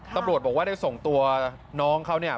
ตำรวจบอกว่าได้ส่งตัวน้องเขาเนี่ย